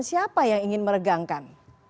siapa yang ingin meregangkan